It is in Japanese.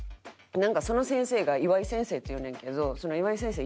その先生が岩井先生っていうねんけどその岩井先生